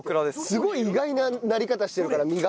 すごい意外ななり方してるから実が。